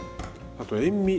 あと塩み。